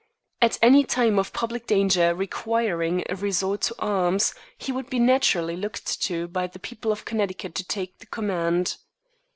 At any time of public danger requiring a resort to arms, he would be naturally looked to by the people of Connecticut to take the command.